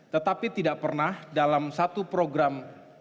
tetapi tidak pernah dalam satu program